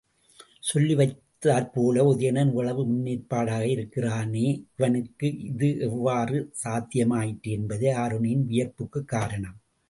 சொல்லி வைத்தாற்போல உதயணன் இவ்வளவு முன்னேற்பாடாக இருக்கிறானே இவனுக்கு இது எவ்வாறு சாத்தியமாயிற்று? என்பதே ஆருணியின் வியப்பிற்குக் காரணம்.